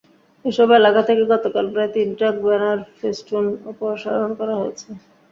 এসব এলাকা থেকে গতকাল প্রায় তিন ট্রাক ব্যানার-ফেস্টুন অপসারণ করা হয়েছে।